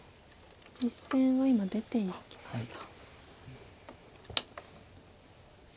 実戦は今出ていきました。